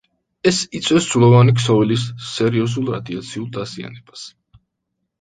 ეს იწვევს ძვლოვანი ქსოვილის სერიოზულ რადიაციულ დაზიანებას.